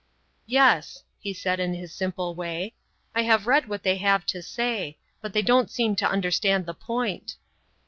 "Yes," he said, in his simple way. "I have read what they have to say. But they don't seem to understand the point."